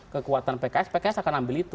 kekuatan pks pks akan ambil itu